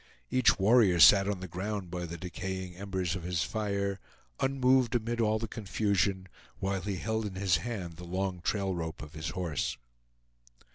Each warrior sat on the ground by the decaying embers of his fire, unmoved amid all the confusion, while he held in his hand the long trail rope of his horse.